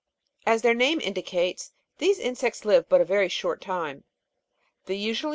As their name indicates, these insects live but a very short time ; they usually appear in 12.